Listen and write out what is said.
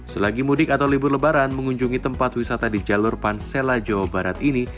selagi mudik atau libur lebaran mengunjungi tempat wisata di jalur pansela jawa barat ini